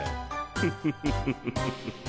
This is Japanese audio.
フフフフフフフ。